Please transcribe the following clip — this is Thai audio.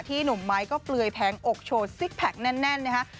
หนุ่มไม้ก็เปลือยแผงอกโชว์ซิกแพคแน่นนะคะ